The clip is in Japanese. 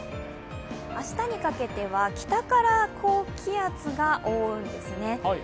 明日にかけては北から高気圧が覆うんですね。